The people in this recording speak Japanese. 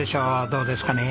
どうですかね？